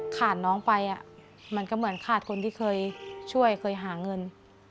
น้องไปมันก็เหมือนขาดคนที่เคยช่วยเคยหาเงิน